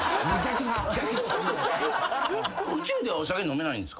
宇宙ではお酒飲めないんすか？